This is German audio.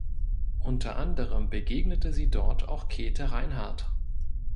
Unter anderem begegnete sie dort auch Käthe Reinhardt.